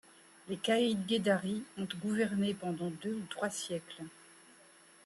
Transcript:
Les caids Gueddari ont gouverné pendant deux ou trois siècles.